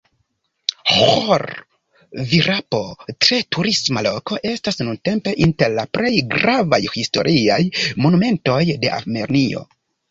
Ĥor-Virapo, tre turisma loko, estas nuntempe inter la plej gravaj historiaj monumentoj de Armenio.